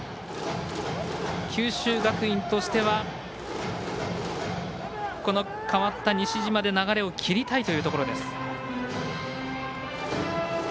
九州学院としてはこの代わった西嶋で流れを切りたいというところです。